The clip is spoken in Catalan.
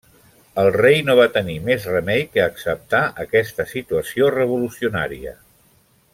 El rei no va tenir més remei que acceptar aquesta situació revolucionaria.